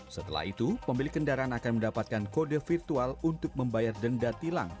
setelah itu pemilik kendaraan akan mendapatkan kode virtual untuk membayar denda tilang